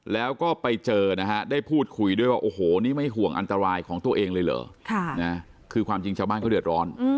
แล้วก็ไปเจอนะฮะได้พูดคุยด้วยว่าโอ้โหนี่ไม่ห่วงอันตรายของตัวเองเลยเหรอ